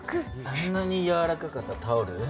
あんなにやわらかかったタオル